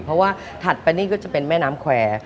เพราะว่าถัดไปนี่ก็จะเป็นแม่น้ำแควร์